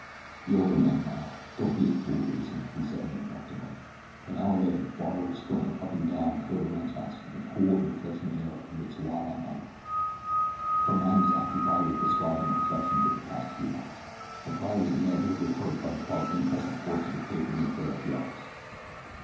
The older man laughed. "Don't be a fool, Grayson," he said, and walked away. An hour later Barbara was strolling up and down before the ranchhouse in the cool and refreshing air of the Chihuahua night. Her mind was occupied with disquieting reflections of the past few hours. Her pride was immeasurably hurt by the part impulse had forced her to take in the affair at the office.